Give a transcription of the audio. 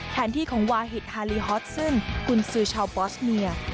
แถนที่ของวาเหตุฮารีฮอทซึนคุณซื้อชาวบอสเมีย